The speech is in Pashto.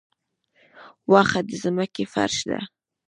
واښه د ځمکې فرش دی